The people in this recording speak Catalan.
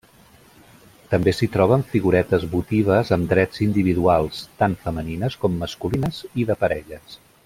També s'hi troben figuretes votives amb trets individuals, tant femenines com masculines i de parelles.